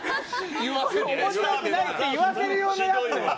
面白くないって言わせるようなやつ！